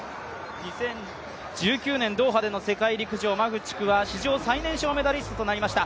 ２０１９年ドーハでの世界陸上、マフチクは史上最年少メダリストとなりました。